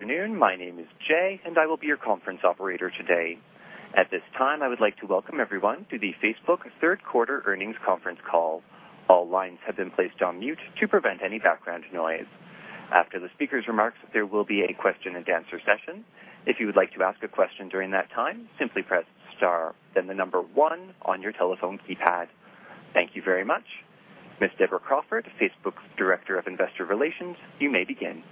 Good afternoon. My name is Jay, and I will be your conference operator today. At this time, I would like to welcome everyone to the Facebook third quarter earnings conference call. All lines have been placed on mute to prevent any background noise. After the speaker's remarks, there will be a question-and-answer session. If you would like to ask a question during that time, simply press star then the number one on your telephone keypad. Thank you very much. Ms. Deborah Crawford, Facebook's Director of Investor Relations, you may begin.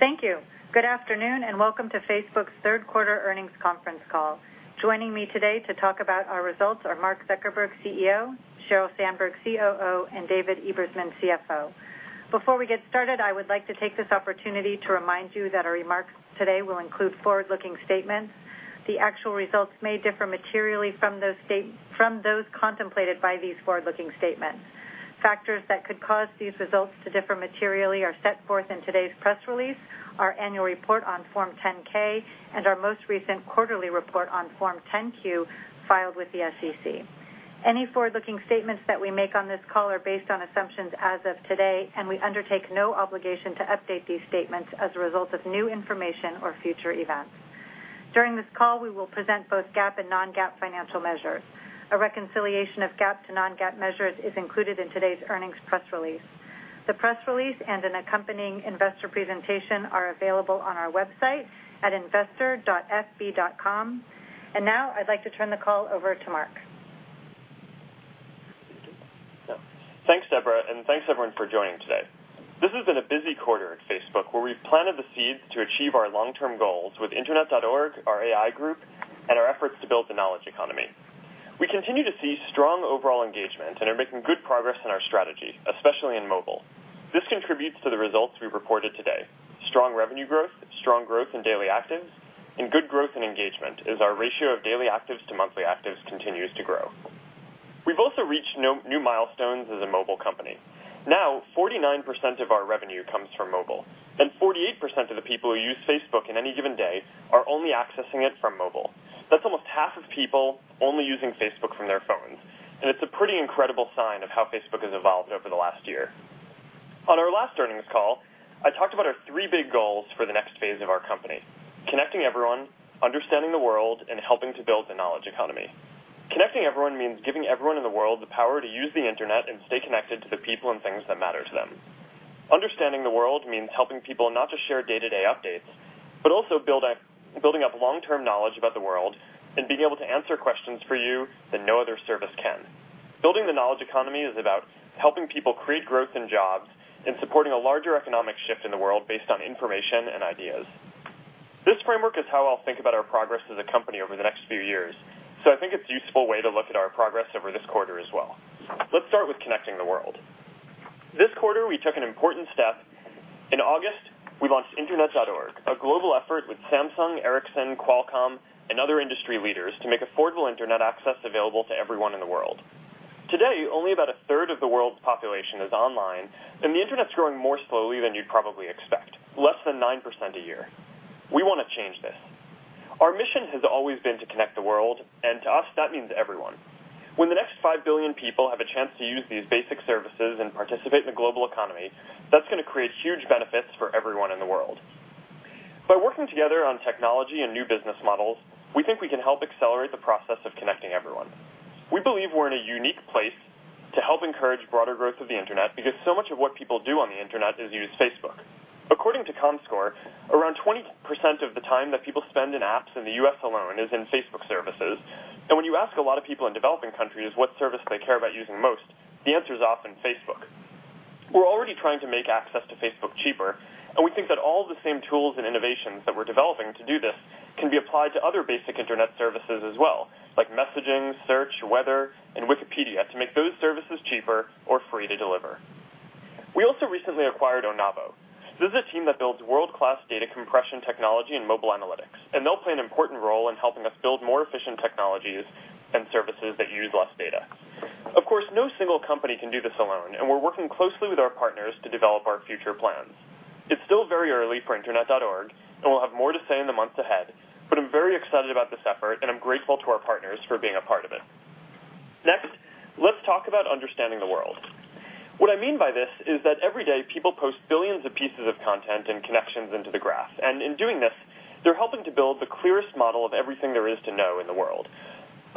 Thank you. Good afternoon, and welcome to Facebook's third quarter earnings conference call. Joining me today to talk about our results are Mark Zuckerberg, CEO; Sheryl Sandberg, COO; and David Ebersman, CFO. Before we get started, I would like to take this opportunity to remind you that our remarks today will include forward-looking statements. The actual results may differ materially from those from those contemplated by these forward-looking statements. Factors that could cause these results to differ materially are set forth in today's press release, our annual report on Form 10-K and our most recent quarterly report on Form 10-Q filed with the SEC. Any forward-looking statements that we make on this call are based on assumptions as of today, and we undertake no obligation to update these statements as a result of new information or future events. During this call, we will present both GAAP and non-GAAP financial measures. A reconciliation of GAAP to non-GAAP measures is included in today's earnings press release. The press release and an accompanying investor presentation are available on our website at investor.fb.com. Now I'd like to turn the call over to Mark. Thanks, Deborah, and thanks everyone for joining today. This has been a busy quarter at Facebook, where we've planted the seeds to achieve our long-term goals with Internet.org, our AI group, and our efforts to build the knowledge economy. We continue to see strong overall engagement and are making good progress in our strategy, especially in mobile. This contributes to the results we've reported today. Strong revenue growth, strong growth in daily actives, and good growth in engagement as our ratio of daily actives to monthly actives continues to grow. We've also reached new milestones as a mobile company. Now, 49% of our revenue comes from mobile. 48% of the people who use Facebook in any given day are only accessing it from mobile. That's almost half of people only using Facebook from their phones, and it's a pretty incredible sign of how Facebook has evolved over the last year. On our last earnings call, I talked about our three big goals for the next phase of our company: connecting everyone, understanding the world, and helping to build the knowledge economy. Connecting everyone means giving everyone in the world the power to use the Internet and stay connected to the people and things that matter to them. Understanding the world means helping people not just share day-to-day updates, but also building up long-term knowledge about the world and being able to answer questions for you that no other service can. Building the knowledge economy is about helping people create growth in jobs and supporting a larger economic shift in the world based on information and ideas. This framework is how I'll think about our progress as a company over the next few years, so I think it's a useful way to look at our progress over this quarter as well. Let's start with connecting the world. This quarter, we took an important step. In August, we launched Internet.org, a global effort with Samsung, Ericsson, Qualcomm, and other industry leaders to make affordable Internet access available to everyone in the world. Today, only about a third of the world's population is online, and the Internet's growing more slowly than you'd probably expect, less than 9% a year. We wanna change this. Our mission has always been to connect the world, and to us, that means everyone. When the next five billion people have a chance to use these basic services and participate in the global economy, that's gonna create huge benefits for everyone in the world. By working together on technology and new business models, we think we can help accelerate the process of connecting everyone. We believe we're in a unique place to help encourage broader growth of the Internet because so much of what people do on the Internet is use Facebook. According to Comscore, around 20% of the time that people spend in apps in the U.S. alone is in Facebook services. When you ask a lot of people in developing countries what service they care about using most, the answer is often Facebook. We're already trying to make access to Facebook cheaper, and we think that all the same tools and innovations that we're developing to do this can be applied to other basic Internet services as well, like messaging, search, weather, and Wikipedia, to make those services cheaper or free to deliver. We also recently acquired Onavo. This is a team that builds world-class data compression technology and mobile analytics, and they'll play an important role in helping us build more efficient technologies and services that use less data. Of course, no single company can do this alone, and we're working closely with our partners to develop our future plans. It's still very early for Internet.org, and we'll have more to say in the months ahead, but I'm very excited about this effort, and I'm grateful to our partners for being a part of it. Next, let's talk about understanding the world. What I mean by this is that every day, people post billions of pieces of content and connections into the graph, and in doing this, they're helping to build the clearest model of everything there is to know in the world.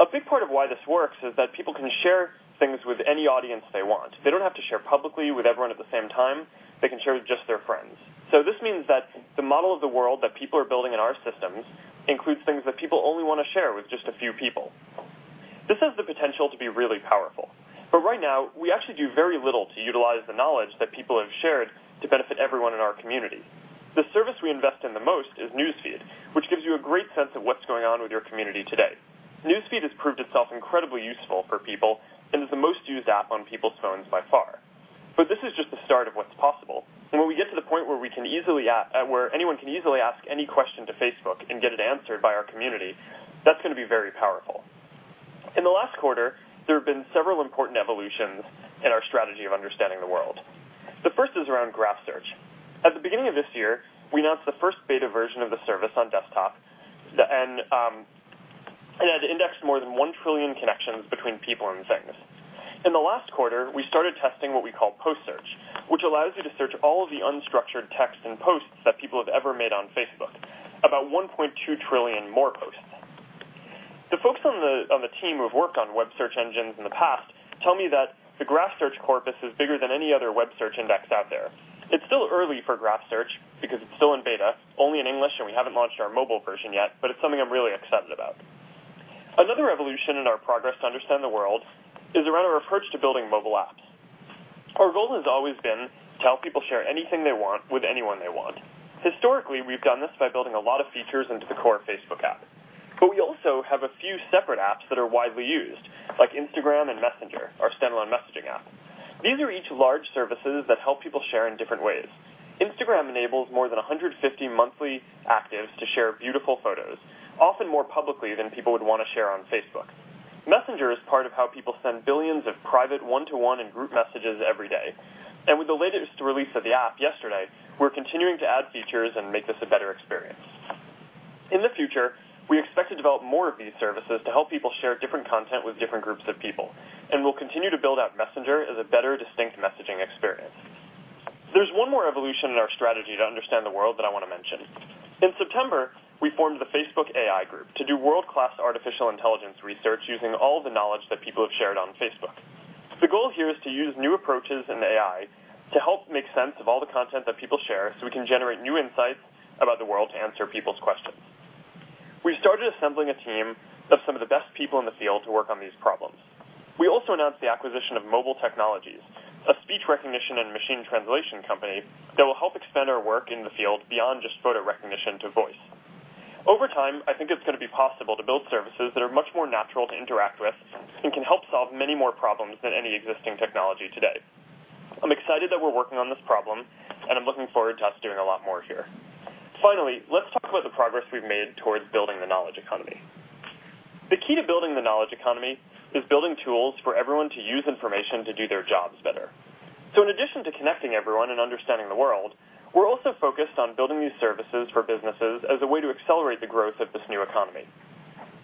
A big part of why this works is that people can share things with any audience they want. They don't have to share publicly with everyone at the same time. They can share with just their friends. This means that the model of the world that people are building in our systems includes things that people only wanna share with just a few people. This has the potential to be really powerful, but right now, we actually do very little to utilize the knowledge that people have shared to benefit everyone in our community. The service we invest in the most is News Feed, which gives you a great sense of what's going on with your community today. News Feed has proved itself incredibly useful for people and is the most used app on people's phones by far. This is just the start of what's possible. When we get to the point where we can easily where anyone can easily ask any question to Facebook and get it answered by our community, that's gonna be very powerful. In the last quarter, there have been several important evolutions in our strategy of understanding the world. The first is around Graph Search. At the beginning of this year, we announced the first beta version of the service on desktop, and more than one trillion connections between people and things. In the last quarter, we started testing what we call Post Search, which allows you to search all of the unstructured text and posts that people have ever made on Facebook. About one point two trillion more posts. The folks on the, on the team who have worked on web search engines in the past tell me that the Graph Search corpus is bigger than any other web search index out there. It's still early for Graph Search because it's still in beta, only in English, and we haven't launched our mobile version yet, but it's something I'm really excited about. Another evolution in our progress to understand the world is around our approach to building mobile apps. Our goal has always been to help people share anything they want with anyone they want. Historically, we've done this by building a lot of features into the core Facebook app. We also have a few separate apps that are widely used, like Instagram and Messenger, our standalone messaging app. These are each large services that help people share in different ways. Instagram enables more than 150 monthly actives to share beautiful photos, often more publicly than people would wanna share on Facebook. Messenger is part of how people send billions of private one-to-one and group messages every day. With the latest release of the app yesterday, we're continuing to add features and make this a better experience. In the future, we expect to develop more of these services to help people share different content with different groups of people, and we'll continue to build out Messenger as a better distinct messaging experience. There's one more evolution in our strategy to understand the world that I wanna mention. In September, we formed the Facebook AI Group to do world-class artificial intelligence research using all the knowledge that people have shared on Facebook. The goal here is to use new approaches in AI to help make sense of all the content that people share, so we can generate new insights about the world to answer people's questions. We started assembling a team of some of the best people in the field to work on these problems. We also announced the acquisition of Mobile Technologies, a speech recognition and machine translation company that will help extend our work in the field beyond just photo recognition to voice. Over time, I think it's gonna be possible to build services that are much more natural to interact with and can help solve many more problems than any existing technology today. I'm excited that we're working on this problem, and I'm looking forward to us doing a lot more here. Finally, let's talk about the progress we've made towards building the knowledge economy. The key to building the knowledge economy is building tools for everyone to use information to do their jobs better. In addition to connecting everyone and understanding the world, we're also focused on building these services for businesses as a way to accelerate the growth of this new economy.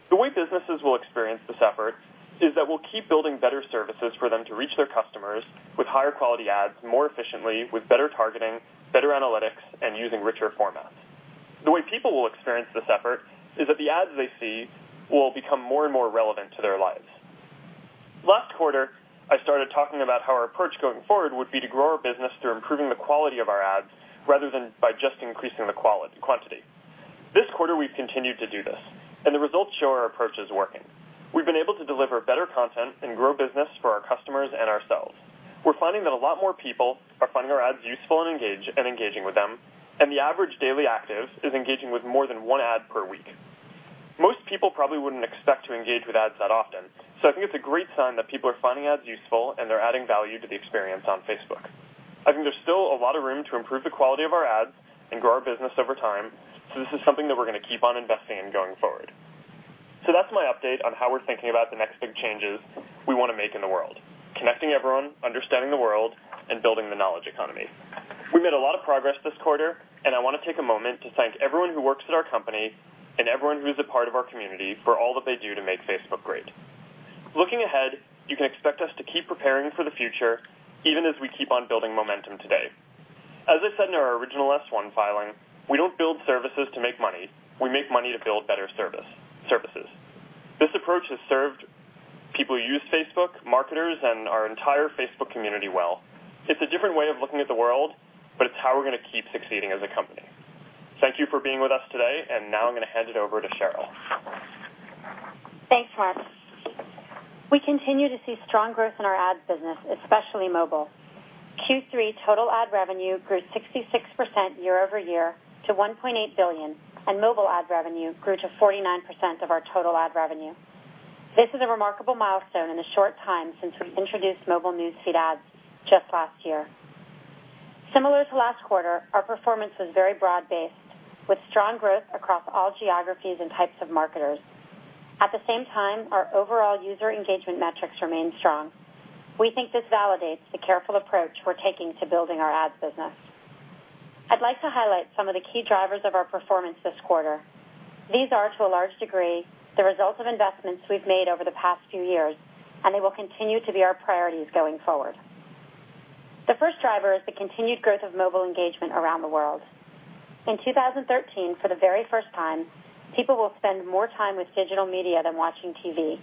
The way businesses will experience this effort is that we'll keep building better services for them to reach their customers with higher quality ads more efficiently, with better targeting, better analytics, and using richer formats. The way people will experience this effort is that the ads they see will become more and more relevant to their lives. Last quarter, I started talking about how our approach going forward would be to grow our business through improving the quality of our ads rather than by just increasing the quantity. This quarter, we've continued to do this, and the results show our approach is working. We've been able to deliver better content and grow business for our customers and ourselves. We're finding that a lot more people are finding our ads useful and engaging with them, and the average daily active is engaging with more than one ad per week. Most people probably wouldn't expect to engage with ads that often, so I think it's a great sign that people are finding ads useful, and they're adding value to the experience on Facebook. I think there's still a lot of room to improve the quality of our ads and grow our business over time, so this is something that we're gonna keep on investing in going forward. That's my update on how we're thinking about the next big changes we wanna make in the world: connecting everyone, understanding the world, and building the knowledge economy. We've made a lot of progress this quarter, and I wanna take a moment to thank everyone who works at our company and everyone who's a part of our community for all that they do to make Facebook great. Looking ahead, you can expect us to keep preparing for the future, even as we keep on building momentum today. As I said in our original S-1 filing, we don't build services to make money. We make money to build better services. This approach has served people who use Facebook, marketers, and our entire Facebook community well. It's a different way of looking at the world, but it's how we're gonna keep succeeding as a company. Thank you for being with us today, and now I'm gonna hand it over to Sheryl. Thanks, Mark. We continue to see strong growth in our ads business, especially mobile. Q3 total ad revenue grew 66% year-over-year to $1.8 billion, and mobile ad revenue grew to 49% of our total ad revenue. This is a remarkable milestone in a short time since we introduced mobile News Feed ads just last year. Similar to last quarter, our performance was very broad-based, with strong growth across all geographies and types of marketers. At the same time, our overall user engagement metrics remain strong. We think this validates the careful approach we're taking to building our ads business. I'd like to highlight some of the key drivers of our performance this quarter. These are, to a large degree, the result of investments we've made over the past few years, and they will continue to be our priorities going forward. The first driver is the continued growth of mobile engagement around the world. In 2013, for the very first time, people will spend more time with digital media than watching TV.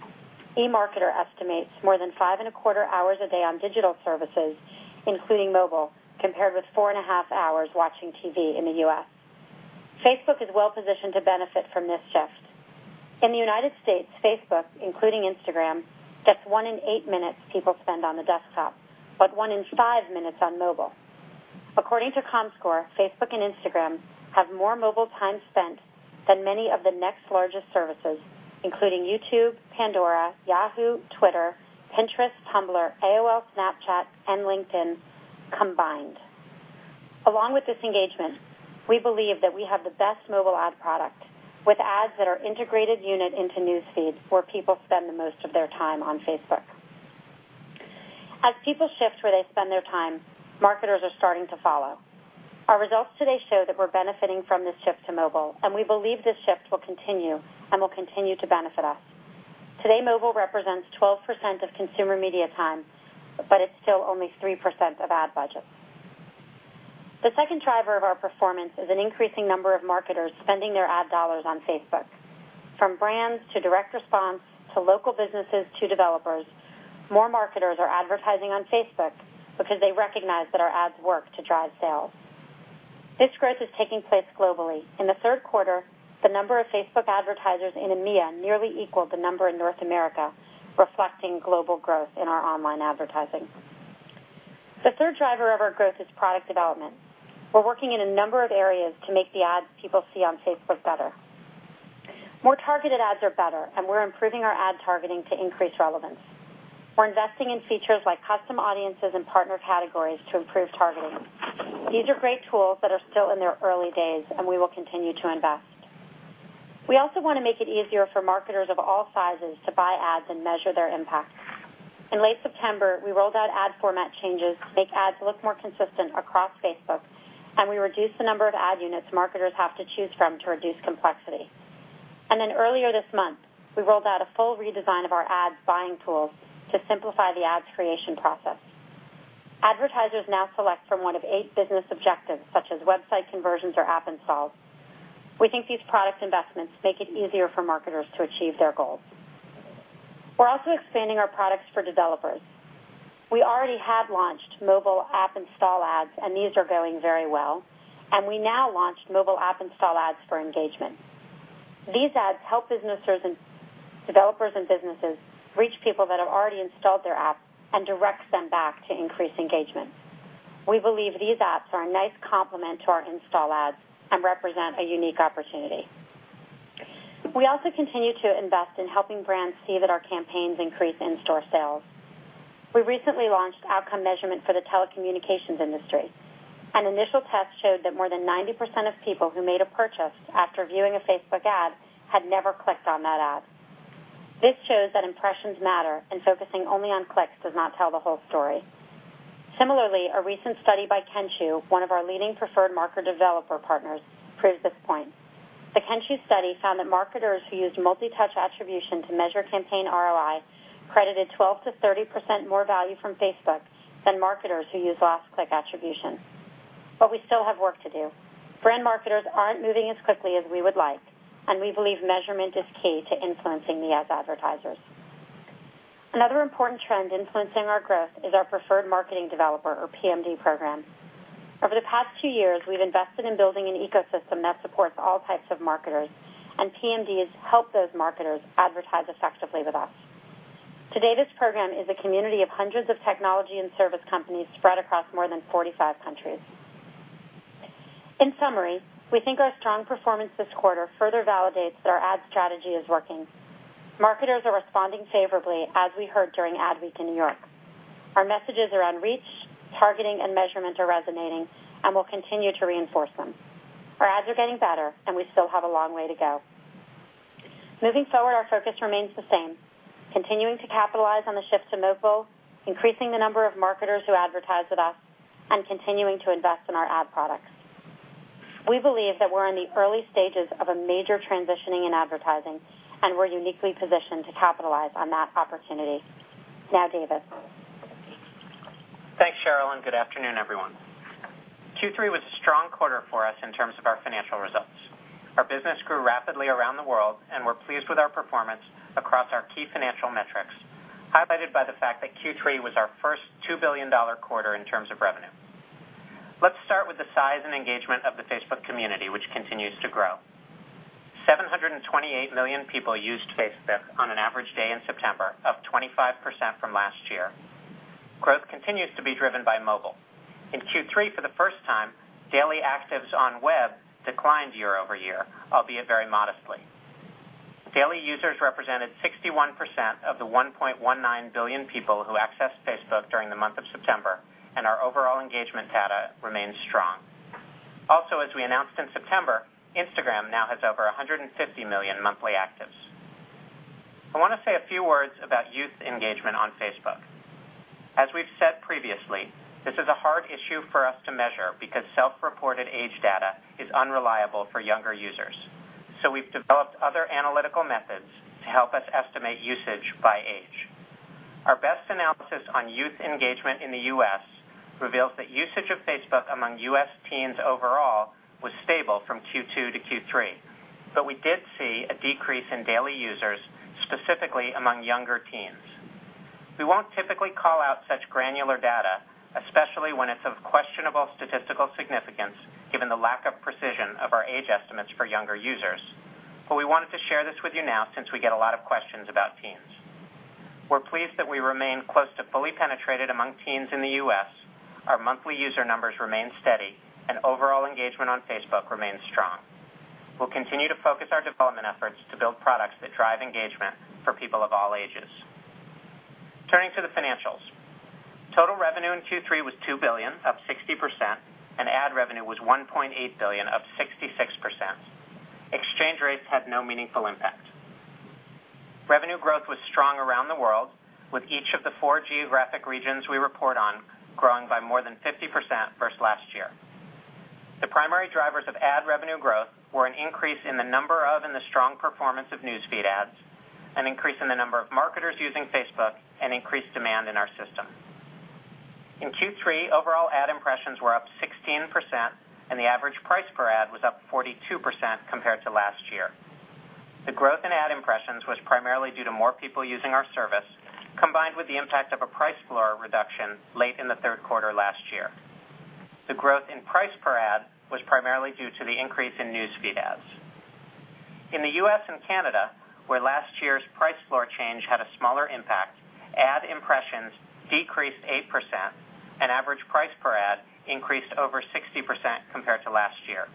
eMarketer estimates more than five and a quarter hours a day on digital services, including mobile, compared with four and a half hours watching TV in the U.S. Facebook is well-positioned to benefit from this shift. In the U.S., Facebook, including Instagram, gets one in eight minutes people spend on the desktop, but one in five minutes on mobile. According to comScore, Facebook and Instagram have more mobile time spent than many of the next largest services, including YouTube, Pandora, Yahoo, Twitter, Pinterest, Tumblr, AOL, Snapchat, and LinkedIn combined. Along with this engagement, we believe that we have the best mobile ad product, with ads that are integrated unit into News Feed where people spend the most of their time on Facebook. As people shift where they spend their time, marketers are starting to follow. Our results today show that we're benefiting from this shift to mobile, and we believe this shift will continue to benefit us. Today, mobile represents 12% of consumer media time, but it's still only 3% of ad budgets. The second driver of our performance is an increasing number of marketers spending their ad dollars on Facebook. From brands to direct response to local businesses to developers, more marketers are advertising on Facebook because they recognize that our ads work to drive sales. This growth is taking place globally. In the third quarter, the number of Facebook advertisers in EMEA nearly equaled the number in North America, reflecting global growth in our online advertising. The third driver of our growth is product development. We're working in a number of areas to make the ads people see on Facebook better. More targeted ads are better, and we're improving our ad targeting to increase relevance. We're investing in features like Custom Audiences and Partner Categories to improve targeting. These are great tools that are still in their early days, and we will continue to invest. We also wanna make it easier for marketers of all sizes to buy ads and measure their impact. In late September, we rolled out ad format changes to make ads look more consistent across Facebook, and we reduced the number of ad units marketers have to choose from to reduce complexity. Earlier this month, we rolled out a full redesign of our ad buying tools to simplify the ad creation process. Advertisers now select from one of eight business objectives, such as website conversions or app installs. We think these product investments make it easier for marketers to achieve their goals. We're also expanding our products for developers. We already had launched mobile app install ads, and these are going very well, and we now launched mobile app install ads for engagement. These ads help developers and businesses reach people that have already installed their app and direct them back to increase engagement. We believe these ads are a nice complement to our install ads and represent a unique opportunity. We also continue to invest in helping brands see that our campaigns increase in-store sales. We recently launched outcome measurement for the telecommunications industry. An initial test showed that more than 90% of people who made a purchase after viewing a Facebook ad had never clicked on that ad. This shows that impressions matter and focusing only on clicks does not tell the whole story. Similarly, a recent study by Kenshoo, one of our leading Preferred Marketing Developer partners, proves this point. The Kenshoo study found that marketers who used multi-touch attribution to measure campaign ROI credited 12%-30% more value from Facebook than marketers who use last click attribution. We still have work to do. Brand marketers aren't moving as quickly as we would like, and we believe measurement is key to influencing the advertisers. Another important trend influencing our growth is our Preferred Marketing Developer or PMD program. Over the past two years, we've invested in building an ecosystem that supports all types of marketers, and PMDs help those marketers advertise effectively with us. Today, this program is a community of hundreds of technology and service companies spread across more than 45 countries. In summary, we think our strong performance this quarter further validates that our ad strategy is working. Marketers are responding favorably, as we heard during Adweek in New York. Our messages around reach, targeting, and measurement are resonating, and we'll continue to reinforce them. Our ads are getting better, and we still have a long way to go. Moving forward, our focus remains the same: continuing to capitalize on the shift to mobile, increasing the number of marketers who advertise with us, and continuing to invest in our ad products. We believe that we're in the early stages of a major transitioning in advertising, and we're uniquely positioned to capitalize on that opportunity. Now, David. Thanks, Sheryl, and good afternoon, everyone. Q3 was a strong quarter for us in terms of our financial results. Our business grew rapidly around the world, we're pleased with our performance across our key financial metrics, highlighted by the fact that Q3 was our first $2 billion quarter in terms of revenue. Let's start with the size and engagement of the Facebook community, which continues to grow. 728 million people used Facebook on an average day in September, up 25% from last year. Growth continues to be driven by mobile. In Q3, for the first time, daily actives on web declined year-over-year, albeit very modestly. Daily users represented 61% of the 1.19 billion people who accessed Facebook during the month of September, and our overall engagement data remains strong. As we announced in September, Instagram now has over 150 million monthly actives. I wanna say a few words about youth engagement on Facebook. As we've said previously, this is a hard issue for us to measure because self-reported age data is unreliable for younger users. We've developed other analytical methods to help us estimate usage by age. Our best analysis on youth engagement in the U.S. reveals that usage of Facebook among U.S. teens overall was stable from Q2 to Q3, but we did see a decrease in daily users, specifically among younger teens. We won't typically call out such granular data, especially when it's of questionable statistical significance, given the lack of precision of our age estimates for younger users. We wanted to share this with you now, since we get a lot of questions about teens. We're pleased that we remain close to fully penetrated among teens in the U.S., our monthly user numbers remain steady, and overall engagement on Facebook remains strong. We'll continue to focus our development efforts to build products that drive engagement for people of all ages. Turning to the financials. Total revenue in Q3 was $2 billion of 60%, and ad revenue was $1.8 billion of 66%. Exchange rates had no meaningful impact. Revenue growth was strong around the world, with each of the four geographic regions we report on growing by more than 50% versus last year. The primary drivers of ad revenue growth were an increase in the number of and the strong performance of News Feed ads, an increase in the number of marketers using Facebook, and increased demand in our system. In Q3, overall ad impressions were up 16%, and the average price per ad was up 42% compared to last year. The growth in ad impressions was primarily due to more people using our service, combined with the impact of a price floor reduction late in the third quarter last year. The growth in price per ad was primarily due to the increase in News Feed ads. In the U.S. and Canada, where last year's price floor change had a smaller impact, ad impressions decreased 8%, and average price per ad increased over 60% compared to last year.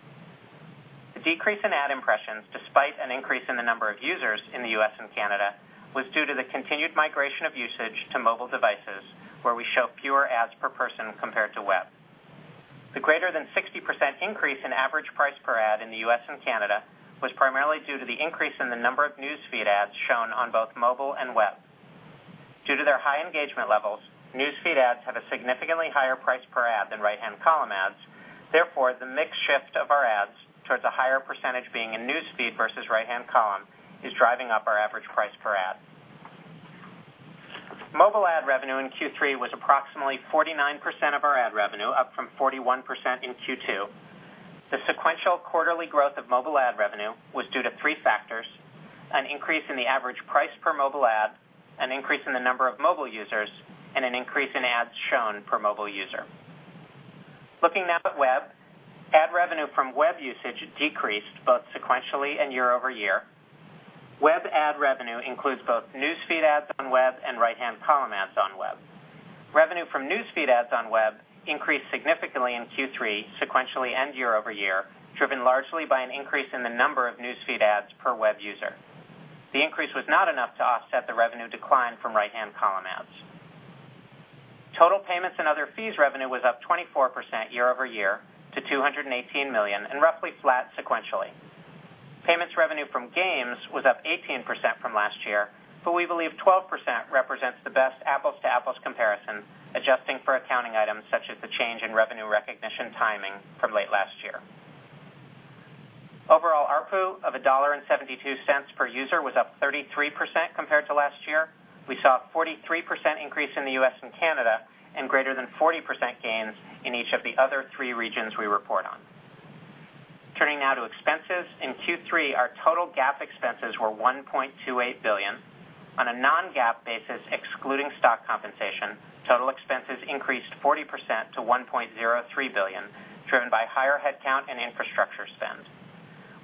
The decrease in ad impressions, despite an increase in the number of users in the U.S. and Canada, was due to the continued migration of usage to mobile devices, where we show fewer ads per person compared to web. The greater than 60% increase in average price per ad in the U.S. and Canada was primarily due to the increase in the number of News Feed ads shown on both mobile and web. Due to their high engagement levels, News Feed ads have a significantly higher price per ad than right-hand column ads. Therefore, the mix shift of our ads towards a higher percentage being in News Feed versus right-hand column is driving up our average price per ad. Mobile ad revenue in Q3 was approximately 49% of our ad revenue, up from 41% in Q2. The sequential quarterly growth of mobile ad revenue was due to three factors: an increase in the average price per mobile ad, an increase in the number of mobile users, and an increase in ads shown per mobile user. Looking now at web, ad revenue from web usage decreased both sequentially and year-over-year. Web ad revenue includes both News Feed ads on web and right-hand column ads on web. Revenue from News Feed ads on web increased significantly in Q3 sequentially and year-over-year, driven largely by an increase in the number of News Feed ads per web user. The increase was not enough to offset the revenue decline from right-hand column ads. Total payments and other fees revenue was up 24% year-over-year to $218 million, and roughly flat sequentially. Payments revenue from games was up 18% from last year, but we believe 12% represents the best apples to apples comparison, adjusting for accounting items such as the change in revenue recognition timing from late last year. Overall ARPU of $1.72 per user was up 33% compared to last year. We saw a 43% increase in the U.S. and Canada and greater than 40% gains in each of the other three regions we report on. Turning now to expenses. In Q3, our total GAAP expenses were $1.28 billion. On a non-GAAP basis, excluding stock compensation, total expenses increased 40% to $1.03 billion, driven by higher headcount and infrastructure spend.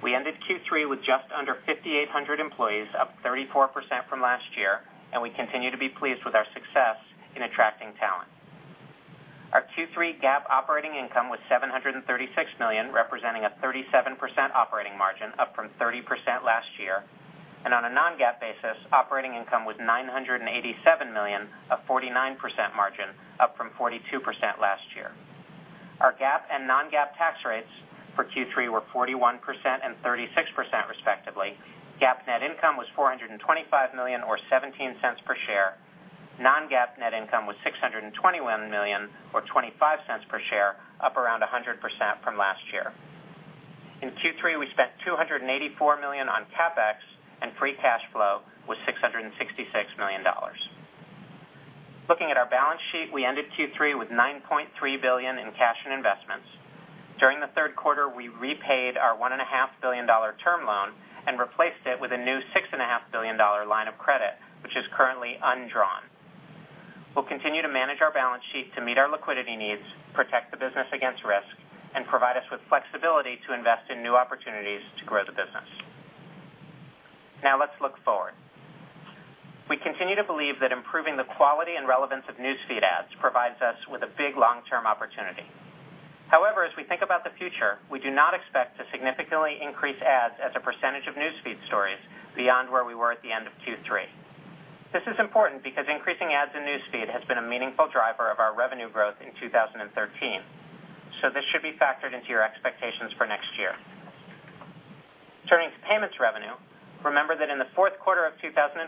We ended Q3 with just under 5,800 employees, up 34% from last year, and we continue to be pleased with our success in attracting talent. Our Q3 GAAP operating income was $736 million, representing a 37% operating margin, up from 30% last year. On a non-GAAP basis, operating income was $987 million, a 49% margin, up from 42% last year. Our GAAP and non-GAAP tax rates for Q3 were 41% and 36%, respectively. GAAP net income was $425 million or $0.17 per share. Non-GAAP net income was $621 million or $0.25 per share, up around 100% from last year. In Q3, we spent $284 million on CapEx, and free cash flow was $666 million. Looking at our balance sheet, we ended Q3 with $9.3 billion in cash and investments. During the third quarter, we repaid our $1.5 billion dollar term loan and replaced it with a new $6.5 billion dollar line of credit, which is currently undrawn. We'll continue to manage our balance sheet to meet our liquidity needs, protect the business against risk, and provide us with flexibility to invest in new opportunities to grow the business. Let's look forward. We continue to believe that improving the quality and relevance of News Feed ads provides us with a big long-term opportunity. As we think about the future, we do not expect to significantly increase ads as a percentage of News Feed stories beyond where we were at the end of Q3. This is important because increasing ads in News Feed has been a meaningful driver of our revenue growth in 2013. This should be factored into your expectations for next year. Turning to payments revenue. Remember that in the fourth quarter of 2012,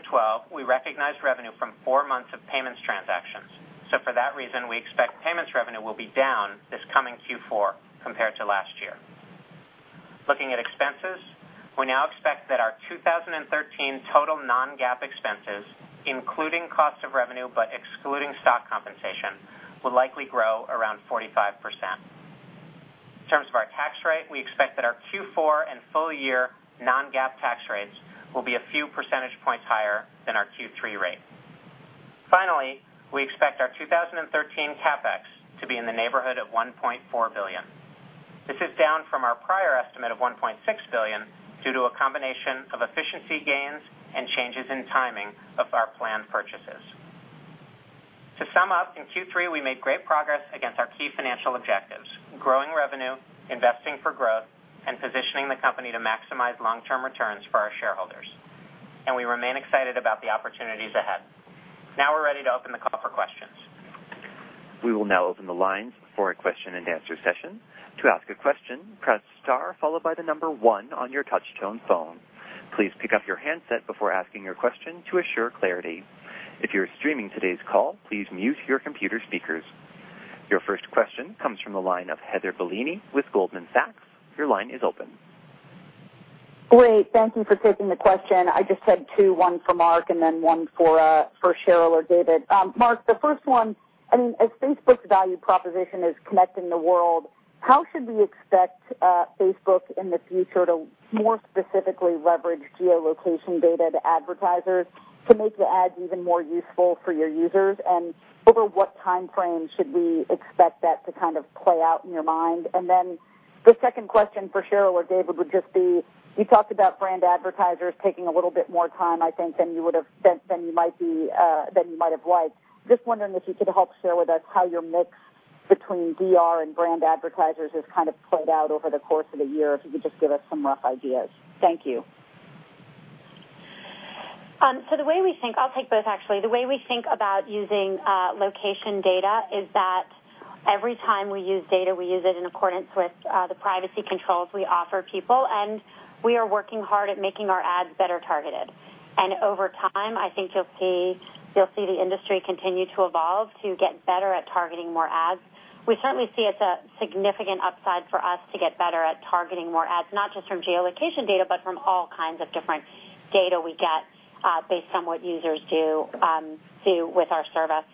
we recognized revenue from four months of payments transactions. For that reason, we expect payments revenue will be down this coming Q4 compared to last year. Looking at expenses, we now expect that our 2013 total non-GAAP expenses, including cost of revenue but excluding stock compensation, will likely grow around 45%. In terms of our tax rate, we expect that our Q4 and full year non-GAAP tax rates will be a few percentage points higher than our Q3 rate. Finally, we expect our 2013 CapEx to be in the neighborhood of $1.4 billion. This is down from our prior estimate of $1.6 billion due to a combination of efficiency gains and changes in timing of our planned purchases. To sum up, in Q3, we made great progress against our key financial objectives: growing revenue, investing for growth. And positioning the company to maximize long-term returns for our shareholders, and we remain excited about the opportunities ahead. Now we're ready to open the call for questions. We will now open the lines for a question-and-answer session. To ask a question, press star followed by the number one on your touch-tone phone. Please pick up your handset before asking your question to assure clarity. If you're streaming today's call, please mute your computer speakers. Your first question comes from the line of Heather Bellini with Goldman Sachs. Your line is open. Great, thank you for taking the question. I just had two, one for Mark and then one for Sheryl or David. Mark, the first one, I mean, as Facebook's value proposition is connecting the world, how should we expect Facebook in the future to more specifically leverage geolocation data to advertisers to make the ads even more useful for your users? Over what timeframe should we expect that to kind of play out, in your mind? The second question for Sheryl or David would just be, you talked about brand advertisers taking a little bit more time, I think, than you would have, than you might be, than you might have liked. Just wondering if you could help share with us how your mix between DR and brand advertisers has kind of played out over the course of the year, if you could just give us some rough ideas. Thank you. The way we think, I'll take both actually. The way we think about using location data is that every time we use data, we use it in accordance with the privacy controls we offer people, and we are working hard at making our ads better targeted. Over time, I think you'll see the industry continue to evolve to get better at targeting more ads. We certainly see it's a significant upside for us to get better at targeting more ads, not just from geolocation data, but from all kinds of different data we get based on what users do with our service.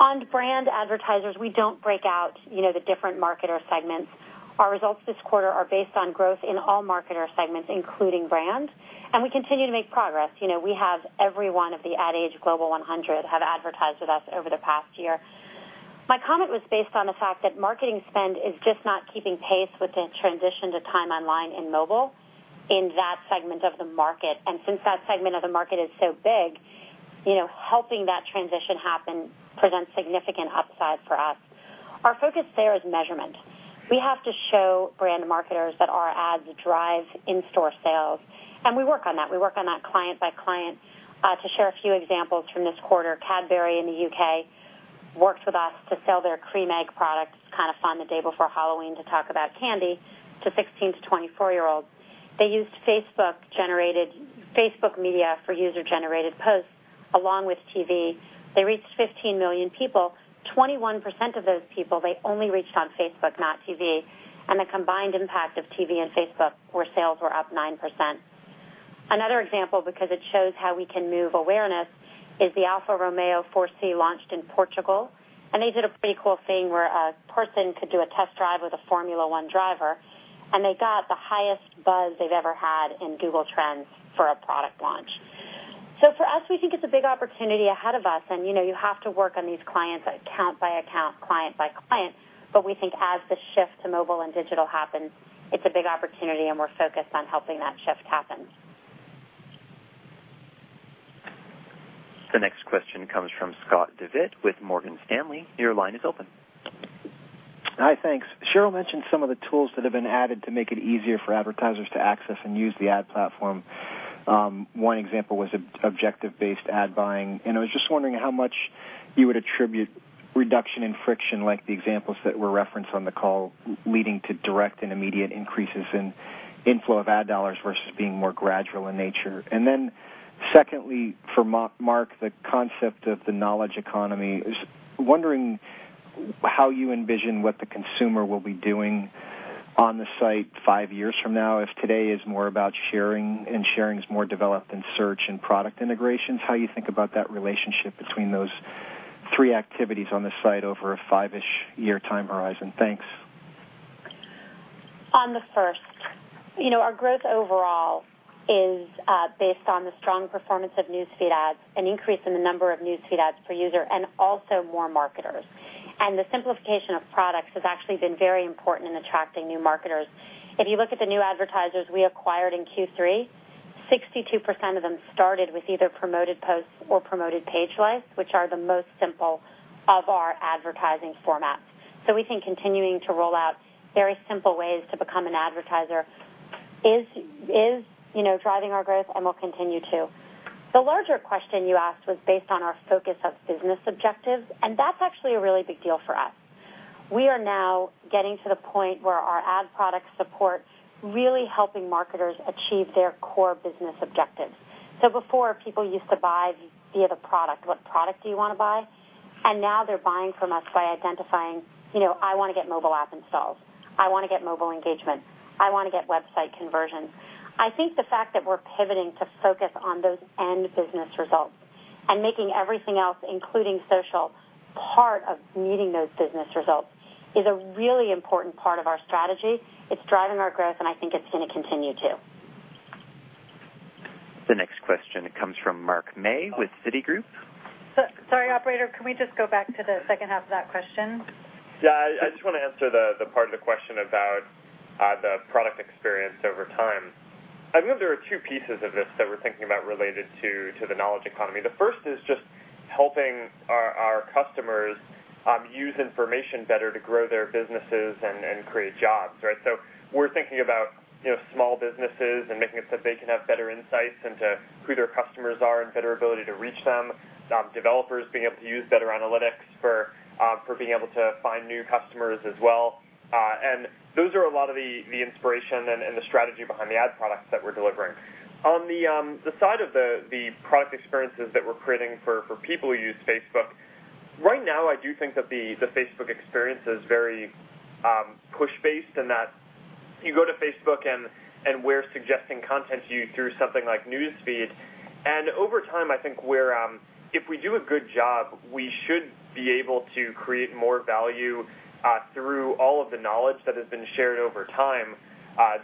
On brand advertisers, we don't break out, you know, the different marketer segments. Our results this quarter are based on growth in all marketer segments, including brand, and we continue to make progress. You know, we have every one of the Ad Age Global 100 have advertised with us over the past year. My comment was based on the fact that marketing spend is just not keeping pace with the transition to time online and mobile in that segment of the market. Since that segment of the market is so big, you know, helping that transition happen presents significant upsides for us. Our focus there is measurement. We have to show brand marketers that our ads drive in-store sales, and we work on that. We work on that client-by-client. To share a few examples from this quarter, Cadbury in the U.K. worked with us to sell their Creme Egg products, kind of fun to be able for Halloween to talk about candy, to 16 to 24-year-olds. They used Facebook-generated, Facebook media for user-generated posts along with TV. They reached 15 million people. 21% of those people, they only reached on Facebook, not TV. The combined impact of TV and Facebook, where sales were up 9%. Another example, because it shows how we can move awareness, is the Alfa Romeo 4C launched in Portugal, and they did a pretty cool thing where a person could do a test drive with a Formula One driver, and they got the highest buzz they've ever had in Google Trends for a product launch. For us, we think it's a big opportunity ahead of us and, you know, you have to work on these clients account-by-account, client-by-client. We think as the shift to mobile and digital happens, it's a big opportunity and we're focused on helping that shift happen. The next question comes from Scott Devitt with Morgan Stanley. Your line is open. Hi, thanks. Sheryl mentioned some of the tools that have been added to make it easier for advertisers to access and use the ad platform. One example was objective-based ad buying. I was just wondering how much you would attribute reduction in friction, like the examples that were referenced on the call, leading to direct and immediate increases in inflow of ad dollars versus being more gradual in nature. Then secondly, for Mark Zuckerberg, the concept of the knowledge economy. I was wondering how you envision what the consumer will be doing on the site five years from now, if today is more about sharing, and sharing is more developed in search and product integrations, how you think about that relationship between those three activities on the site over a five-ish year time horizon? Thanks. On the first, you know, our growth overall is based on the strong performance of News Feed ads, an increase in the number of News Feed ads per user, and also more marketers. The simplification of products has actually been very important in attracting new marketers. If you look at the new advertisers we acquired in Q3, 62% of them started with either Promoted Posts or Promoted Page Likes, which are the most simple of our advertising formats. We think continuing to roll out very simple ways to become an advertiser is, you know, driving our growth and will continue to. The larger question you asked was based on our focus of business objectives, and that's actually a really big deal for us. We are now getting to the point where our ad product support's really helping marketers achieve their core business objectives. Before, people used to buy via the product, what product do you wanna buy? Now they're buying from us by identifying, you know, I wanna get mobile app installs. I wanna get mobile engagement. I wanna get website conversions. I think the fact that we're pivoting to focus on those end business results and making everything else, including social, part of meeting those business results, is a really important part of our strategy. It's driving our growth, and I think it's gonna continue to. The next question comes from Mark May with Citigroup. Sorry, operator, can we just go back to the second half of that question? I just wanna answer the part of the question about the product experience over time. I believe there are two pieces of this that we're thinking about related to the knowledge economy. The first is Helping our customers use information better to grow their businesses and create jobs, right? We're thinking about, you know, small businesses and making it so they can have better insights into who their customers are and better ability to reach them. Developers being able to use better analytics for being able to find new customers as well. Those are a lot of the inspiration and the strategy behind the ad products that we're delivering. On the side of the product experiences that we're creating for people who use Facebook, right now, I do think that the Facebook experience is very push-based in that you go to Facebook and we're suggesting content to you through something like News Feed. Over time, I think we're if we do a good job, we should be able to create more value through all of the knowledge that has been shared over time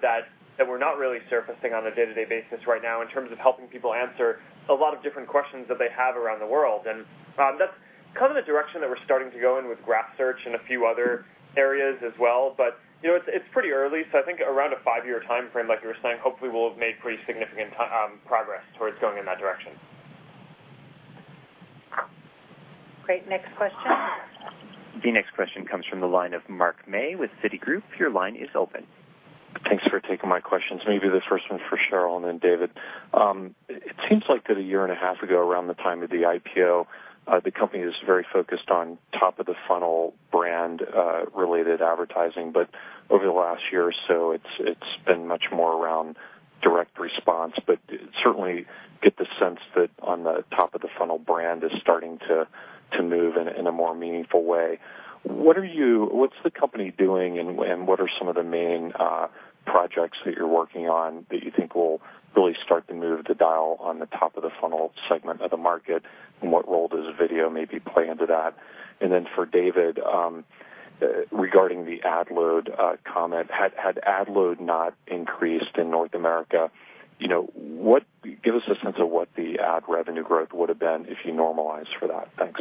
that we're not really surfacing on a day-to-day basis right now in terms of helping people answer a lot of different questions that they have around the world. That's kind of the direction that we're starting to go in with Graph Search and a few other areas as well. You know, it's pretty early, so I think around a five-year timeframe, like you were saying, hopefully we'll have made pretty significant progress towards going in that direction. Great. Next question? The next question comes from the line of Mark May with Citigroup. Your line is open. Thanks for taking my questions. Maybe this first one's for Sheryl and then David. It seems like that a year and a half ago, around the time of the IPO, the company was very focused on top-of-the-funnel brand related advertising. Over the last year or so, it's been much more around direct response. Certainly, get the sense that on the top-of-the-funnel brand is starting to move in a more meaningful way. What's the company doing and what are some of the main projects that you're working on that you think will really start to move the dial on the top-of-the-funnel segment of the market? What role does video maybe play into that? For David, regarding the ad load comment, had ad load not increased in North America, you know, give us a sense of what the ad revenue growth would've been if you normalize for that. Thanks.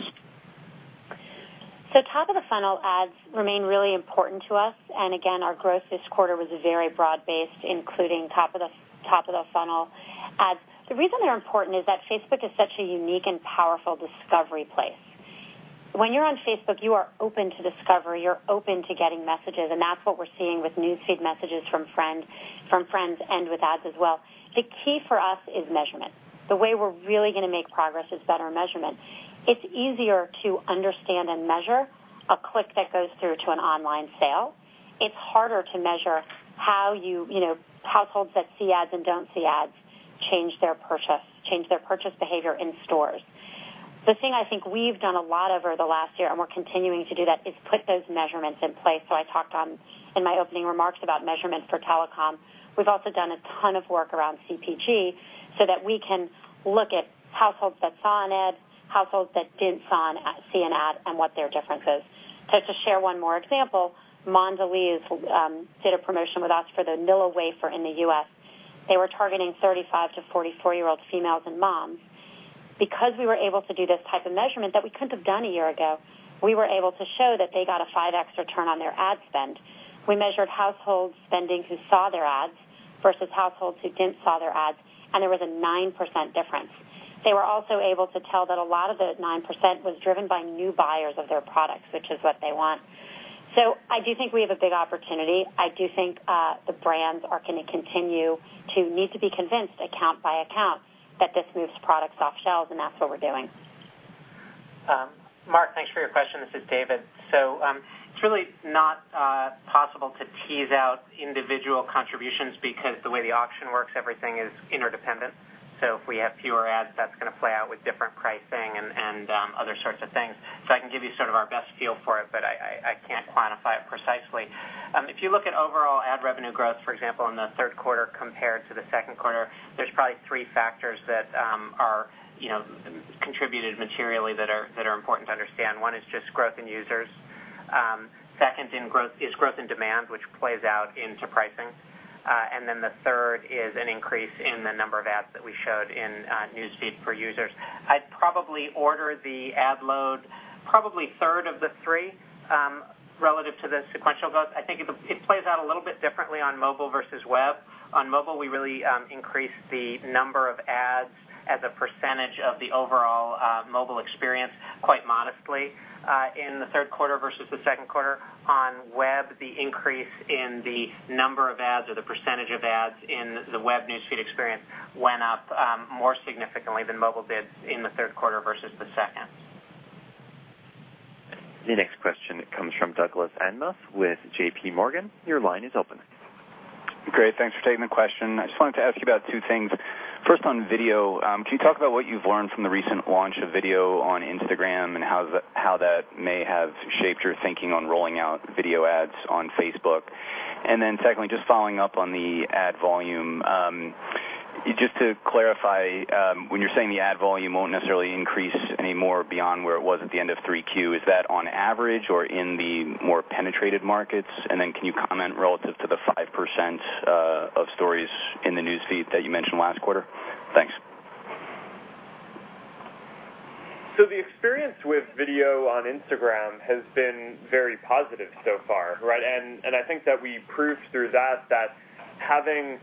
Top-of-the-funnel ads remain really important to us. Again, our growth this quarter was very broad-based, including top-of-the-funnel ads. The reason they're important is that Facebook is such a unique and powerful discovery place. When you're on Facebook, you are open to discovery, you're open to getting messages, and that's what we're seeing with News Feed messages from friends and with ads as well. The key for us is measurement. The way we're really gonna make progress is better measurement. It's easier to understand and measure a click that goes through to an online sale. It's harder to measure how you know, households that see ads and don't see ads change their purchase behavior in stores. The thing I think we've done a lot over the last year, we're continuing to do that, is put those measurements in place. I talked in my opening remarks about measurements for telecom. We've also done a ton of work around CPG so that we can look at households that saw an ad, households that didn't see an ad, what their difference is. To share one more example, Mondelëz did a promotion with us for their Nilla wafer in the U.S. They were targeting 35-44-year-old females and moms. Because we were able to do this type of measurement that we couldn't have done a year ago, we were able to show that they got a 5x return on their ad spend. We measured household spending who saw their ads versus households who didn't see their ads. There was a 9% difference. They were also able to tell that a lot of the 9% was driven by new buyers of their products, which is what they want. I do think we have a big opportunity. I do think the brands are gonna continue to need to be convinced account by account that this moves products off shelves. That's what we're doing. Mark, thanks for your question. This is David. It's really not possible to tease out individual contributions because the way the auction works, everything is interdependent. If we have fewer ads, that's gonna play out with different pricing and other sorts of things. I can give you sort of our best feel for it, but I can't quantify it precisely. If you look at overall ad revenue growth, for example, in the third quarter compared to the second quarter, there's probably three factors that are, you know, contributed materially that are important to understand. One is just growth in users. Second in growth is growth in demand, which plays out into pricing. And then the third is an increase in the number of ads that we showed in News Feed for users. I'd probably order the ad load probably third of the three relative to the sequential growth. I think it plays out a little bit differently on mobile versus web. On mobile, we really increased the number of ads as a percentage of the overall mobile experience quite modestly in the third quarter versus the second quarter. On web, the increase in the number of ads or the percentage of ads in the web News Feed experience went up more significantly than mobile did in the third quarter versus the second. The next question comes from Douglas Anmuth with JPMorgan. Your line is open. Great. Thanks for taking the question. I just wanted to ask you about two things. First, on video, can you talk about what you've learned from the recent launch of video on Instagram and how that may have shaped your thinking on rolling out video ads on Facebook? Secondly, just following up on the ad volume, just to clarify, when you're saying the ad volume won't necessarily increase any more beyond where it was at the end of 3Q, is that on average or in the more penetrated markets? Can you comment relative to the 5% of stories in the News Feed that you mentioned last quarter? Thanks. The experience with video on Instagram has been very positive so far, right? I think that we proved through that, having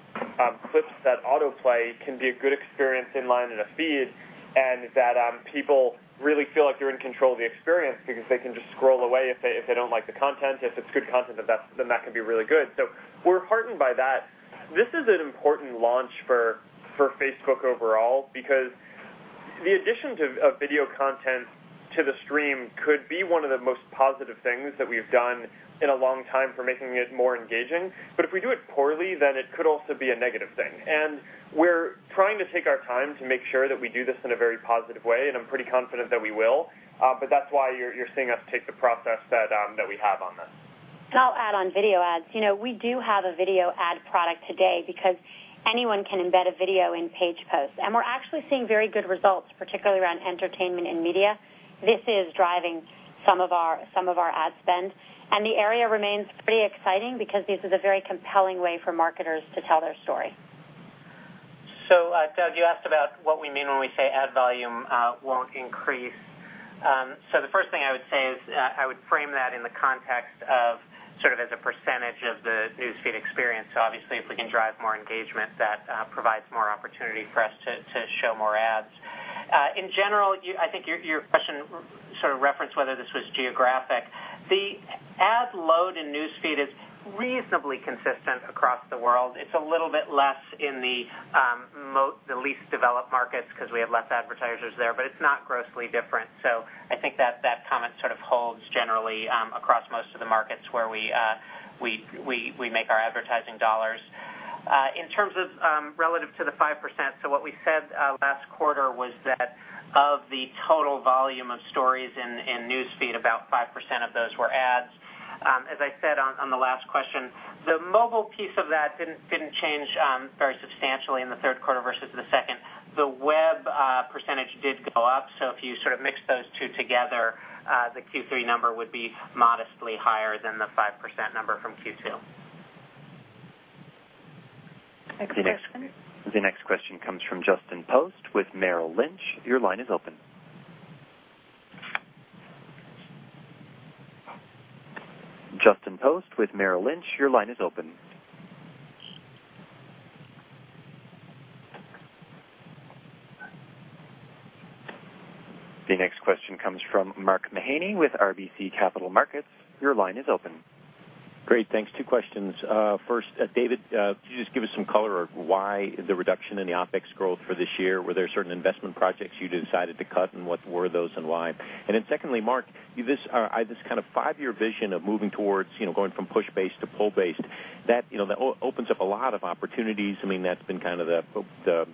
clips that autoplay can be a good experience in line in a feed, and that people really feel like they're in control of the experience because they can just scroll away if they, if they don't like the content. If it's good content, then that can be really good. We're heartened by that. This is an important launch for Facebook overall because the addition of video content to the stream could be one of the most positive things that we've done in a long time for making it more engaging. If we do it poorly, then it could also be a negative thing. We're trying to take our time to make sure that we do this in a very positive way, and I'm pretty confident that we will. That's why you're seeing us take the process that we have on this. I'll add on video ads. You know, we do have a video ad product today because anyone can embed a video in page posts. We're actually seeing very good results, particularly around entertainment and media. This is driving some of our ad spend. The area remains pretty exciting because this is a very compelling way for marketers to tell their story. Doug, you asked about what we mean when we say ad volume won't increase. The first thing I would say is I would frame that in the context of sort of as a percentage of the News Feed experience. Obviously, if we can drive more engagement, that provides more opportunity for us to show more ads. In general, you, I think your question sort of referenced whether this was geographic. The ad load in News Feed is reasonably consistent across the world. It's a little bit less in the least developed markets 'cause we have less advertisers there, but it's not grossly different. I think that comment sort of holds generally across most of the markets where we make our advertising dollars. In terms of relative to the 5%, what we said last quarter was that of the total volume of stories in News Feed, about 5% of those were ads. As I said on the last question, the mobile piece of that didn't change very substantially in the third quarter versus the second. The web percentage did go up, if you sort of mix those two together, the Q3 number would be modestly higher than the 5% number from Q2. Next question. The next question comes from Justin Post with Merrill Lynch. Your line is open. Justin Post with Merrill Lynch, your line is open. The next question comes from Mark Mahaney with RBC Capital Markets. Your line is open. Great. Thanks. Two questions. First, David, could you just give us some color on why the reduction in the OpEx growth for this year? Were there certain investment projects you decided to cut, and what were those and why? Secondly, Mark, this kind of five-year vision of moving towards, you know, going from push-based to pull-based, that, you know, that opens up a lot of opportunities. I mean, that's been kind of the sauce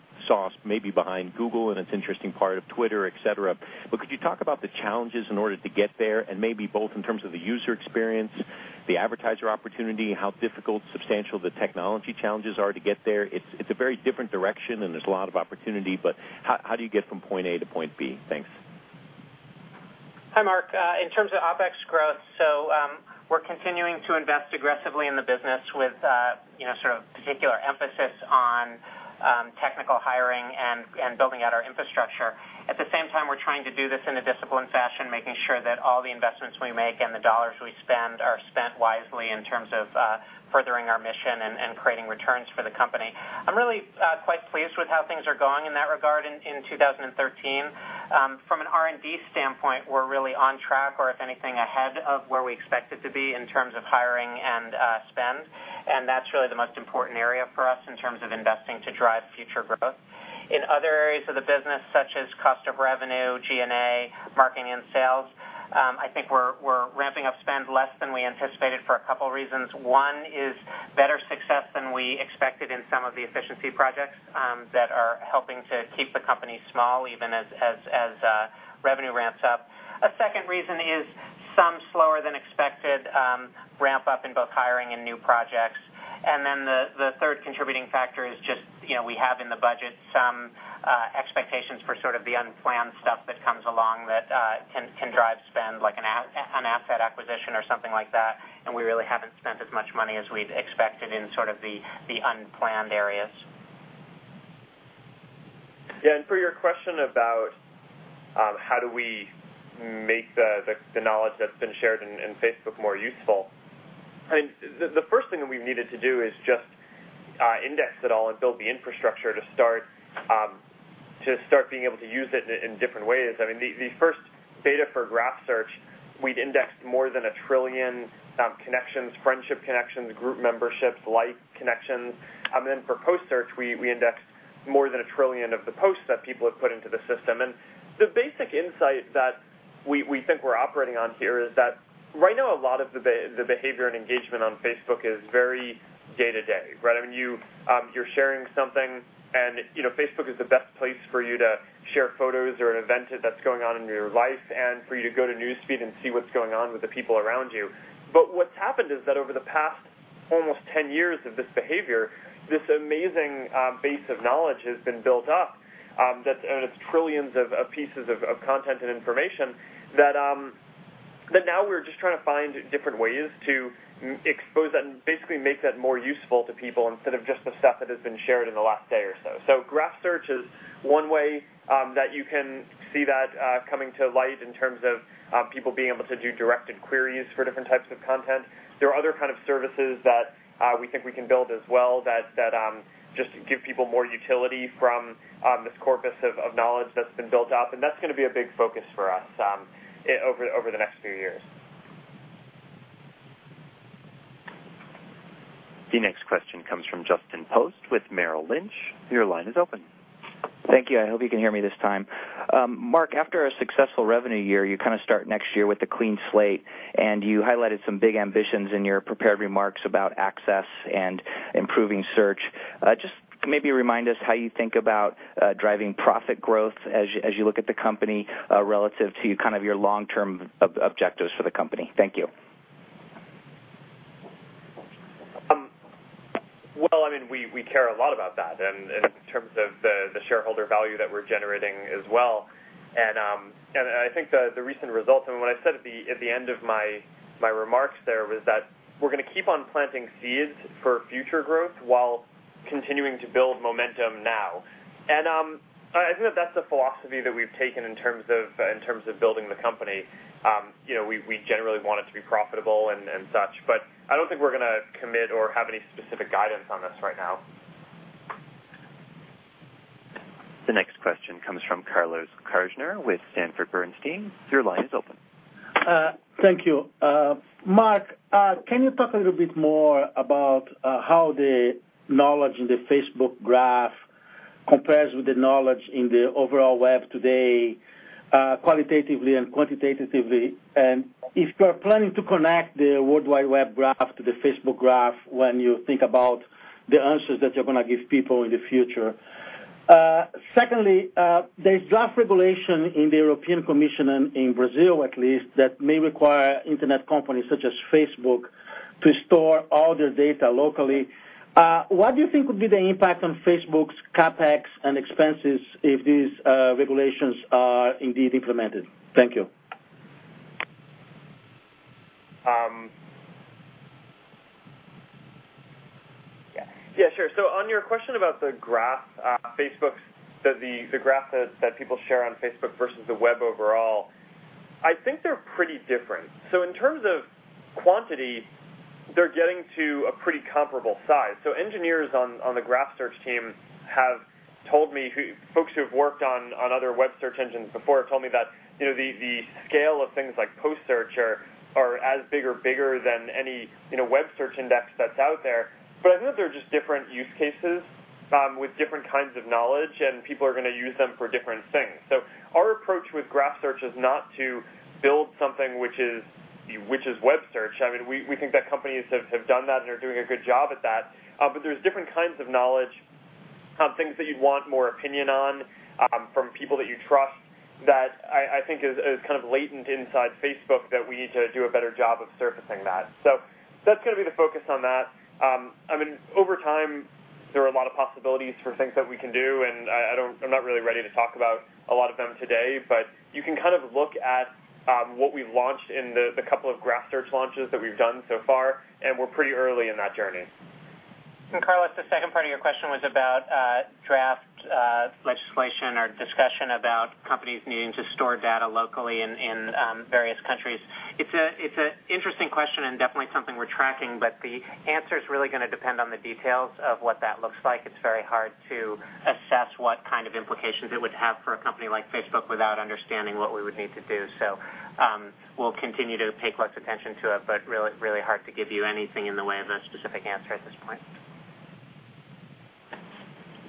maybe behind Google, and it's interesting part of Twitter, et cetera. Could you talk about the challenges in order to get there, and maybe both in terms of the user experience, the advertiser opportunity, how difficult, substantial the technology challenges are to get there? It's a very different direction, and there's a lot of opportunity, but how do you get from point A to point B? Thanks. Hi, Mark. In terms of OpEx growth, we're continuing to invest aggressively in the business with, you know, sort of particular emphasis on technical hiring and building out our infrastructure. At the same time, we're trying to do this in a disciplined fashion, making sure that all the investments we make and the dollars we spend are spent wisely in terms of furthering our mission and creating returns for the company. I'm really quite pleased with how things are going in that regard in 2013. From an R&D standpoint, we're really on track or, if anything, ahead of where we expect it to be in terms of hiring and spend. That's really the most important area for us in terms of investing to drive future growth. In other areas of the business, such as cost of revenue, G&A, marketing and sales, I think we're ramping up spend less than we anticipated for a couple reasons. One is better success than we expected in some of the efficiency projects that are helping to keep the company small even as revenue ramps up. A second reason is some slower than expected ramp-up in both hiring and new projects. Then the third contributing factor is just, you know, we have in the budget some expectations for sort of the unplanned stuff that comes along that can drive spend, like an asset acquisition or something like that, and we really haven't spent as much money as we'd expected in sort of the unplanned areas. Yeah, for your question about how do we make the knowledge that's been shared in Facebook more useful. I mean, the first thing that we've needed to do is just index it all and build the infrastructure to start being able to use it in different ways. I mean, the first beta for Graph Search, we'd indexed more than a trillion connections, friendship connections, group memberships, like connections. For Post Search, we indexed more than a trillion of the posts that people have put into the system. The basic insight that we think we're operating on here is that right now a lot of the behavior and engagement on Facebook is very day-to-day, right? I mean, you're sharing something and, you know, Facebook is the best place for you to share photos or an event that's going on in your life and for you to go to News Feed and see what's going on with the people around you. What's happened is that over the past almost 10 years of this behavior, this amazing base of knowledge has been built up, that's, and it's trillions of pieces of content and information that now we're just trying to find different ways to expose that and basically make that more useful to people instead of just the stuff that has been shared in the last day or so. Graph Search is one way that you can see that coming to light in terms of people being able to do directed queries for different types of content. There are other kind of services that we think we can build as well that just give people more utility from this corpus of knowledge that's been built up, and that's going to be a big focus for us over the next few years. The next question comes from Justin Post with Merrill Lynch. Your line is open. Thank you. I hope you can hear me this time. Mark, after a successful revenue year, you kind of start next year with a clean slate, and you highlighted some big ambitions in your prepared remarks about access and improving search. Just maybe remind us how you think about driving profit growth as you look at the company relative to kind of your long-term objectives for the company. Thank you. Well, I mean, we care a lot about that, and in terms of the shareholder value that we're generating as well. I think the recent results, and what I said at the end of my remarks there was that we're gonna keep on planting seeds for future growth while continuing to build momentum now. I think that that's the philosophy that we've taken in terms of building the company. You know, we generally want it to be profitable and such, but I don't think we're gonna commit or have any specific guidance on this right now. The next question comes from Carlos Kirjner with Sanford Bernstein. Your line is open. Thank you. Mark, can you talk a little bit more about how the knowledge in the Facebook Graph compares with the knowledge in the overall web today, qualitatively and quantitatively? If you are planning to connect the World Wide Web graph to the Facebook Graph when you think about the answers that you're gonna give people in the future. Secondly, there's draft regulation in the European Commission and in Brazil at least, that may require internet companies such as Facebook to store all their data locally. What do you think would be the impact on Facebook's CapEx and expenses if these regulations are indeed implemented? Thank you. Yeah. Yeah, sure. On your question about the graph, Facebook's, the graph that people share on Facebook versus the web overall, I think they're pretty different. In terms of quantity, they're getting to a pretty comparable size. Engineers on the Graph Search team have told me who folks who have worked on other web search engines before have told me that, you know, the scale of things like Post Search are as big or bigger than any, you know, web search index that's out there. I think they're just different use cases, with different kinds of knowledge, and people are gonna use them for different things. Our approach with Graph Search is not to build something which is web search. I mean, we think that companies have done that and are doing a good job at that. There's different kinds of knowledge, things that you'd want more opinion on, from people that you trust that I think is kind of latent inside Facebook that we need to do a better job of surfacing that. That's gonna be the focus on that. I mean, over time, there are a lot of possibilities for things that we can do, and I don't, I'm not really ready to talk about a lot of them today. You can kind of look at what we've launched in the couple of Graph Search launches that we've done so far, and we're pretty early in that journey. Carlos, the second part of your question was about draft legislation or discussion about companies needing to store data locally in various countries. It's a interesting question and definitely something we're tracking, but the answer's really gonna depend on the details of what that looks like. It's very hard to assess what kind of implications it would have for a company like Facebook without understanding what we would need to do. We'll continue to pay close attention to it, but really hard to give you anything in the way of a specific answer at this point.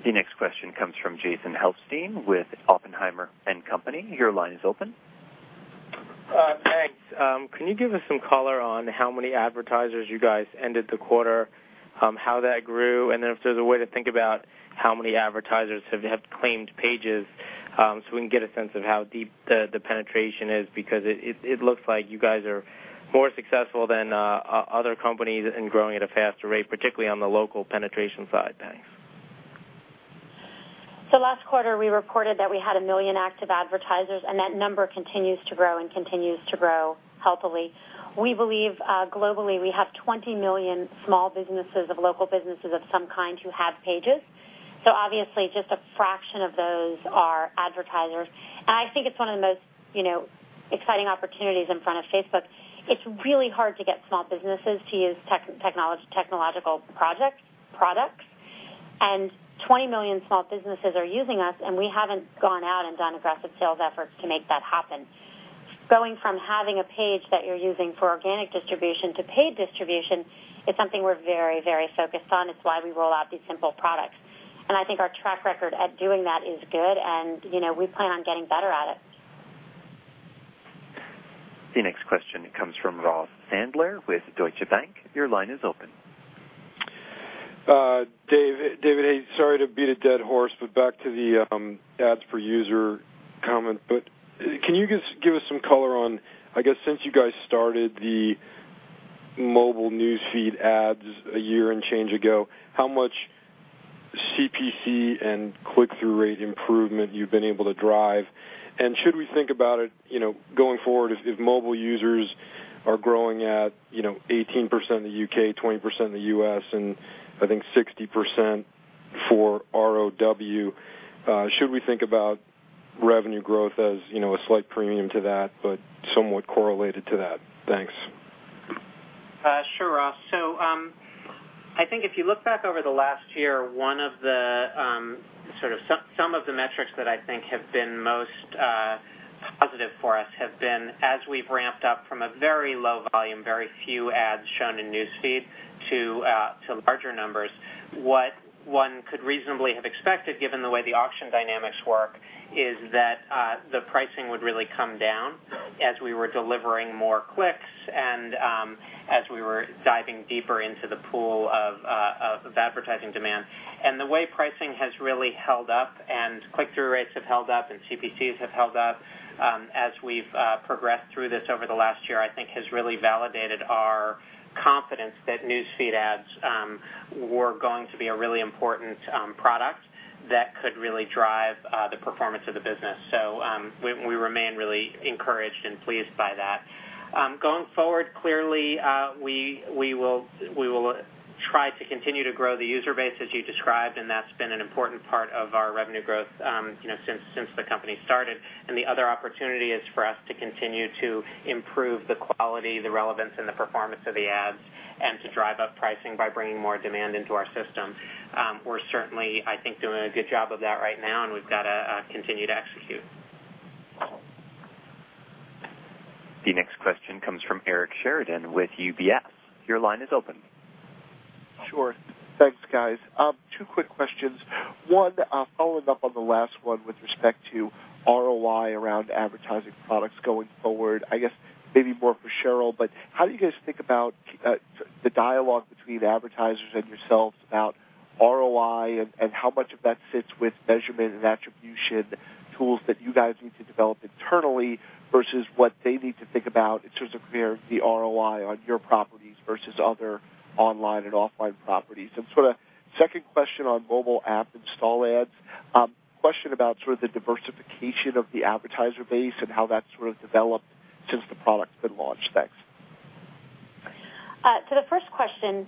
The next question comes from Jason Helfstein with Oppenheimer & Co. Your line is open. Thanks. Can you give us some color on how many advertisers you guys ended the quarter, how that grew, and then if there's a way to think about how many advertisers have had claimed pages, so we can get a sense of how deep the penetration is? Because it looks like you guys are more successful than other companies and growing at a faster rate, particularly on the local penetration side. Thanks. Last quarter, we reported that we had a million active advertisers, and that number continues to grow and continues to grow healthily. We believe, globally, we have 20 million small businesses of local businesses of some kind who have pages. Obviously, just a fraction of those are advertisers. I think it's one of the most, you know, exciting opportunities in front of Facebook. It's really hard to get small businesses to use technological products. 20 million small businesses are using us, and we haven't gone out and done aggressive sales efforts to make that happen. Going from having a page that you're using for organic distribution to paid distribution is something we're very, very focused on. It's why we roll out these simple products. I think our track record at doing that is good, and, you know, we plan on getting better at it. The next question comes from Ross Sandler with Deutsche Bank. Your line is open. David, hey, sorry to beat a dead horse, back to the ads per user comment. Can you give us some color on since you guys started the mobile News Feed ads a year and change ago, how much CPC and click-through rate improvement you've been able to drive? Should we think about it, you know, going forward if mobile users are growing at, you know, 18% in the U.K., 20% in the U.S., and I think 60% for ROW, should we think about revenue growth as, you know, a slight premium to that but somewhat correlated to that? Thanks. Sure, Ross. I think if you look back over the last year, one of the sort of some of the metrics that I think have been most positive for us have been, as we've ramped up from a very low volume, very few ads shown in News Feed to larger numbers, what one could reasonably have expected, given the way the auction dynamics work, is that the pricing would really come down as we were delivering more clicks and as we were diving deeper into the pool of advertising demand. The way pricing has really held up and click-through rates have held up and CPCs have held up, as we've progressed through this over the last year, I think has really validated our confidence that News Feed ads were going to be a really important product that could really drive the performance of the business. We remain really encouraged and pleased by that. Going forward, clearly, we will try to continue to grow the user base as you described, and that's been an important part of our revenue growth, you know, since the company started. The other opportunity is for us to continue to improve the quality, the relevance, and the performance of the ads and to drive up pricing by bringing more demand into our system. We're certainly, I think, doing a good job of that right now, and we've gotta continue to execute. The next question comes from Eric Sheridan with UBS. Your line is open. Sure. Thanks, guys. Two quick questions. One, following up on the last one with respect to ROI around advertising products going forward, I guess maybe more for Sheryl, but how do you guys think about the dialogue between advertisers and yourselves about ROI and how much of that sits with measurement and attribution tools that you guys need to develop internally versus what they need to think about in terms of comparing the ROI on your properties versus other online and offline properties? Sort of second question on mobile app install ads, question about sort of the diversification of the advertiser base and how that's sort of developed since the product's been launched. Thanks. To the first question,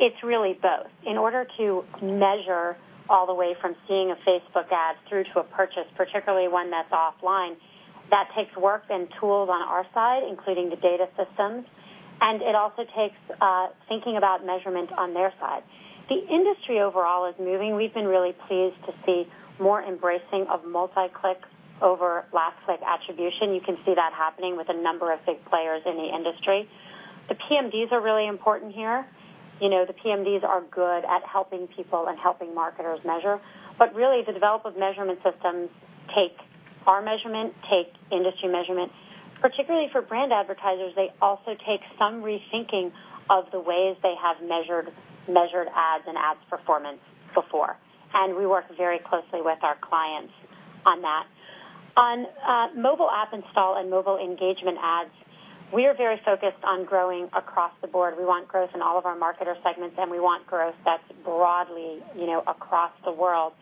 it's really both. In order to measure all the way from seeing a Facebook ad through to a purchase, particularly one that's offline, that takes work and tools on our side, including the data systems, and it also takes thinking about measurement on their side. The industry overall is moving. We've been really pleased to see more embracing of multi-click over last-click attribution. You can see that happening with a number of big players in the industry. The PMDs are really important here. You know, the PMDs are good at helping people and helping marketers measure. Really the developer of measurement systems take our measurement, take industry measurement. Particularly for brand advertisers, they also take some rethinking of the ways they have measured ads and ads performance before, and we work very closely with our clients on that. On mobile app install and mobile engagement ads, we are very focused on growing across the board. We want growth in all of our marketer segments, and we want growth that's broadly, you know, across the world.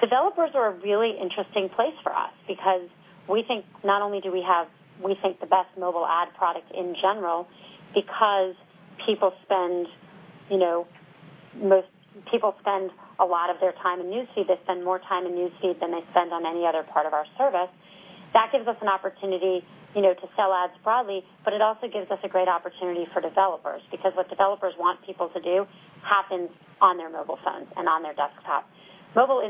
Developers are a really interesting place for us because we think not only do we have, we think, the best mobile ad product in general because people spend, you know, most people spend a lot of their time in News Feed. They spend more time in News Feed than they spend on any other part of our service. That gives us an opportunity, you know, to sell ads broadly, but it also gives us a great opportunity for developers because what developers want people to do happens on their mobile phones and on their desktop. Mobile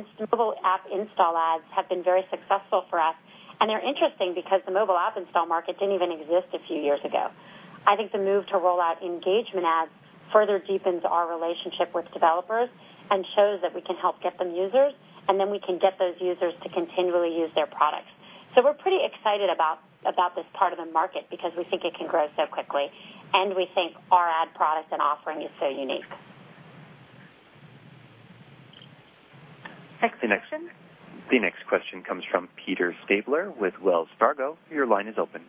app install ads have been very successful for us, and they're interesting because the mobile app install market didn't even exist a few years ago. I think the move to roll out engagement ads further deepens our relationship with developers and shows that we can help get them users, and then we can get those users to continually use their products. We're pretty excited about this part of the market because we think it can grow so quickly, and we think our ad product and offering is so unique. Next question. The next question comes from Peter Stabler with Wells Fargo. Your line is open.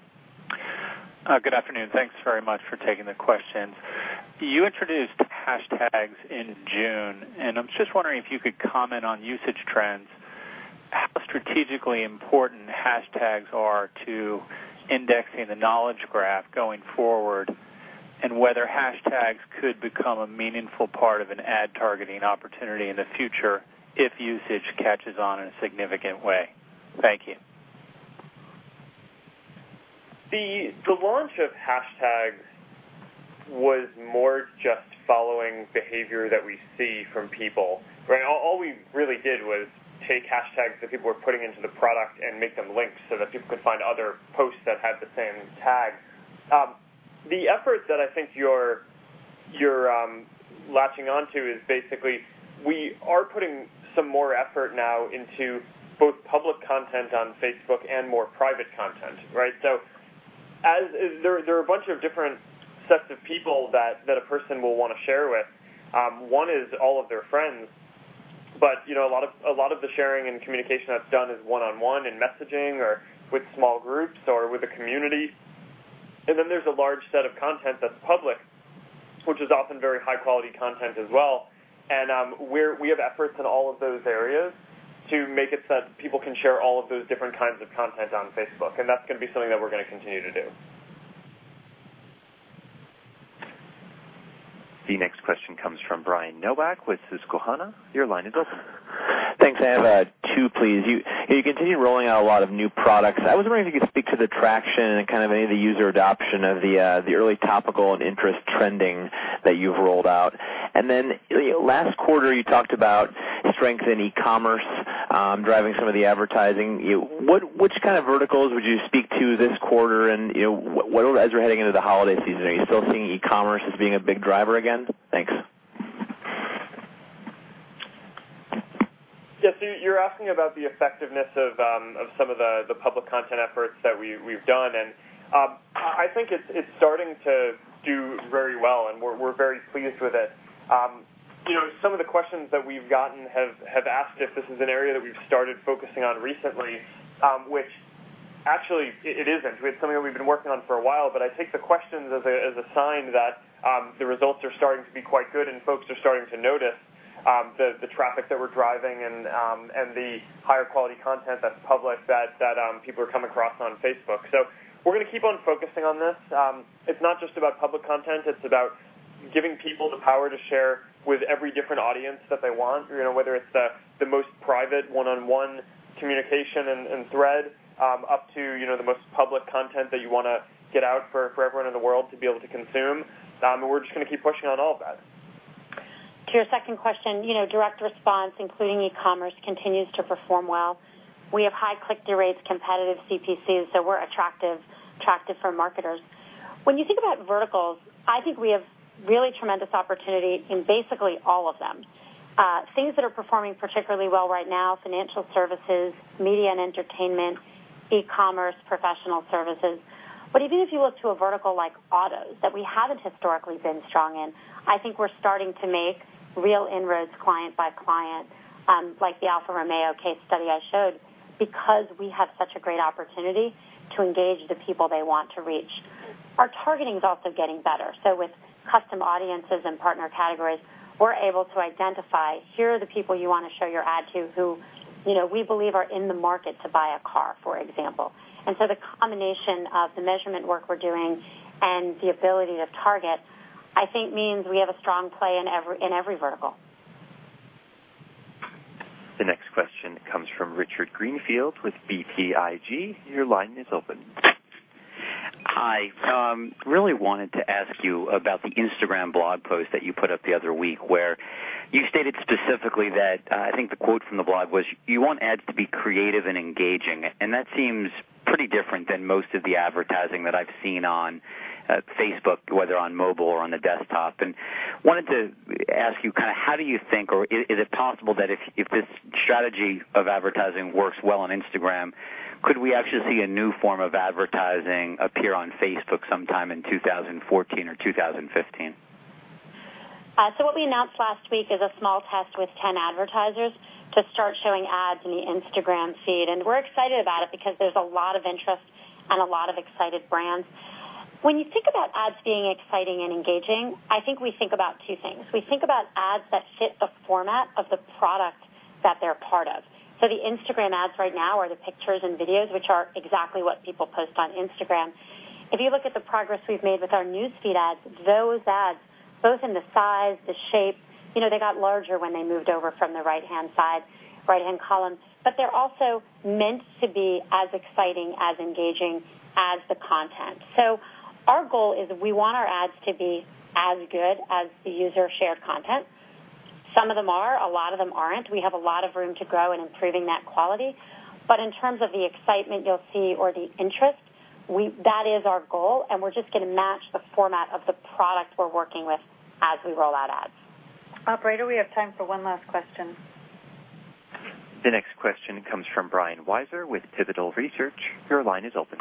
Good afternoon. Thanks very much for taking the questions. You introduced hashtags in June, and I'm just wondering if you could comment on usage trends, how strategically important hashtags are to indexing the Knowledge Graph going forward, and whether hashtags could become a meaningful part of an ad targeting opportunity in the future if usage catches on in a significant way. Thank you. The launch of hashtags was more just following behavior that we see from people, right? All we really did was take hashtags that people were putting into the product and make them links so that people could find other posts that had the same tag. The effort that I think you're latching onto is basically we are putting some more effort now into both public content on Facebook and more private content, right? There are a bunch of different sets of people that a person will wanna share with. One is all of their friends, but you know, a lot of the sharing and communication that's done is one-on-one in messaging or with small groups or with a community. And then there's a large set of content that's public, which is often very high-quality content as well. We have efforts in all of those areas to make it so that people can share all of those different kinds of content on Facebook, and that's gonna be something that we're gonna continue to do. The next question comes from Brian Nowak with Susquehanna. Your line is open. Thanks. I have two, please. You continue rolling out a lot of new products. I was wondering if you could speak to the traction and kind of any of the user adoption of the early topical and interest trending that you've rolled out. Last quarter, you talked about strength in e-commerce driving some of the advertising. Which kind of verticals would you speak to this quarter? You know, as we're heading into the holiday season, are you still seeing e-commerce as being a big driver again? Thanks. Yes, you're asking about the effectiveness of some of the public content efforts that we've done. I think it's starting to do very well, and we're very pleased with it. You know, some of the questions that we've gotten have asked if this is an area that we've started focusing on recently, which actually it isn't. It's something that we've been working on for a while, but I take the questions as a sign that the results are starting to be quite good, and folks are starting to notice the traffic that we're driving and the higher quality content that's published that people are coming across on Facebook. We're gonna keep on focusing on this. It's not just about public content. It's about giving people the power to share with every different audience that they want, you know, whether it's the most private one-on-one communication and thread, up to, you know, the most public content that you wanna get out for everyone in the world to be able to consume. We're just gonna keep pushing on all of that. To your second question, you know, direct response, including e-commerce, continues to perform well. We have high click-through rates, competitive CPCs, so we're attractive for marketers. When you think about verticals, I think we have really tremendous opportunity in basically all of them. Things that are performing particularly well right now, financial services, media and entertainment, e-commerce, professional services. Even if you look to a vertical like autos that we haven't historically been strong in, I think we're starting to make real inroads client by client, like the Alfa Romeo case study I showed, because we have such a great opportunity to engage the people they want to reach. Our targeting's also getting better. With Custom Audiences and Partner Categories, we're able to identify here are the people you want to show your ad to who, you know, we believe are in the market to buy a car, for example. The combination of the measurement work we're doing and the ability to target, I think means we have a strong play in every vertical. The next question comes from Richard Greenfield with BTIG. Your line is open. Hi. Really wanted to ask you about the Instagram blog post that you put up the other week where you stated specifically that I think the quote from the blog was, "You want ads to be creative and engaging." That seems pretty different than most of the advertising that I've seen on Facebook, whether on mobile or on the desktop. Wanted to ask you how do you think, or is it possible that if this strategy of advertising works well on Instagram, could we actually see a new form of advertising appear on Facebook sometime in 2014 or 2015? What we announced last week is a small test with 10 advertisers to start showing ads in the Instagram feed. We're excited about it because there's a lot of interest and a lot of excited brands. When you think about ads being exciting and engaging, I think we think about two things. We think about ads that fit the format of the product that they're a part of. The Instagram ads right now are the pictures and videos, which are exactly what people post on Instagram. If you look at the progress we've made with our News Feed ads, those ads, both in the size, the shape, you know, they got larger when they moved over from the right-hand side, right-hand column, but they're also meant to be as exciting, as engaging as the content. Our goal is we want our ads to be as good as the user-shared content. Some of them are. A lot of them aren't. We have a lot of room to grow in improving that quality. In terms of the excitement you'll see or the interest, that is our goal, and we're just gonna match the format of the product we're working with as we roll out ads. Operator, we have time for one last question. The next question comes from Brian Wieser with Pivotal Research. Your line is open.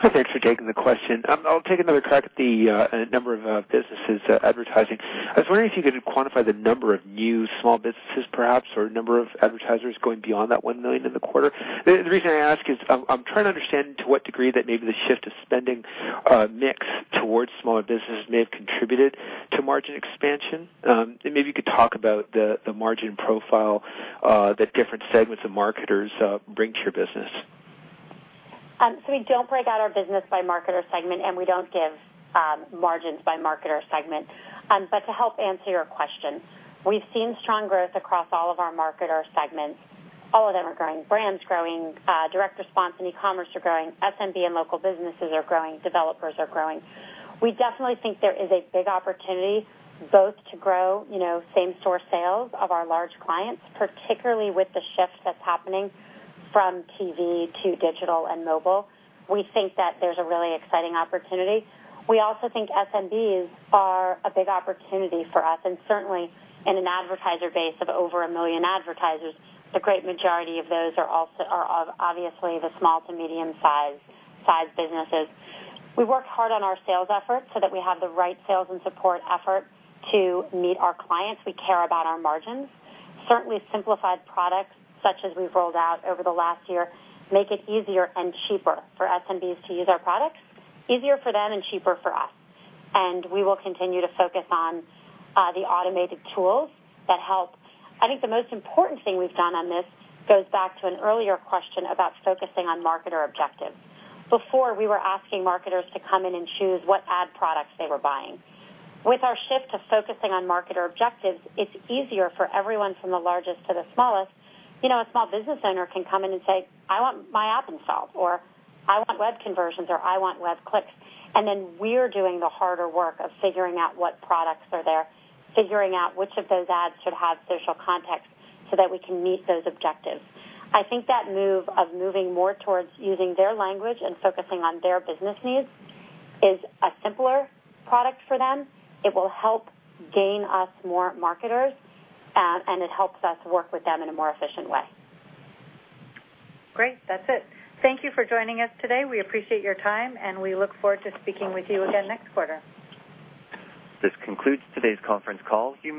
Hi. Thanks for taking the question. I'll take another crack at the number of businesses advertising. I was wondering if you could quantify the number of new small businesses perhaps, or number of advertisers going beyond that $1 million in the quarter. The reason I ask is I'm trying to understand to what degree that maybe the shift of spending mix towards smaller businesses may have contributed to margin expansion. Maybe you could talk about the margin profile that different segments of marketers brings your business. We don't break out our business by marketer segment, and we don't give margins by marketer segment. To help answer your question, we've seen strong growth across all of our marketer segments. All of them are growing. Brand growing. Direct response and e-commerce are growing. SMB and local businesses are growing. Developers are growing. We definitely think there is a big opportunity both to grow, you know, same store sales of our large clients, particularly with the shift that's happening from TV to digital and mobile. We think that there's a really exciting opportunity. We also think SMBs are a big opportunity for us, and certainly in an advertiser base of over a million advertisers, the great majority of those are obviously the small to medium-size businesses. We worked hard on our sales efforts so that we have the right sales and support effort to meet our clients. We care about our margins. Certainly, simplified products, such as we've rolled out over the last year, make it easier and cheaper for SMBs to use our products, easier for them and cheaper for us. We will continue to focus on the automated tools that help. I think the most important thing we've done on this goes back to an earlier question about focusing on marketer objectives. Before, we were asking marketers to come in and choose what ad products they were buying. With our shift to focusing on marketer objectives, it's easier for everyone from the largest to the smallest. You know, a small business owner can come in and say, "I want my app installed," or, "I want web conversions," or, "I want web clicks." We're doing the harder work of figuring out what products are there, figuring out which of those ads should have social context so that we can meet those objectives. I think that move of moving more towards using their language and focusing on their business needs is a simpler product for them. It will help gain us more marketers, and it helps us work with them in a more efficient way. Great. That's it. Thank you for joining us today. We appreciate your time. We look forward to speaking with you again next quarter. This concludes today's conference call.